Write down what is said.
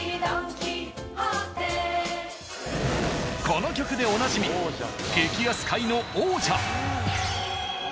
この曲でおなじみ激安界の王者。